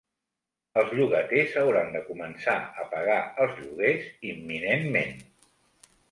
Els llogaters hauran de començar a pagar els lloguers imminentment